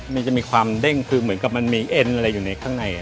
มันจะมีความเด้งคือเหมือนกับมันมีเอ็นอะไรอยู่ในข้างใน